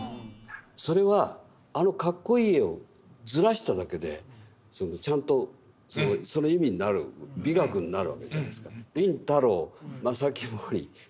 それはあのカッコいい絵をずらしただけでちゃんとその意味になる美学になるわけじゃないですか。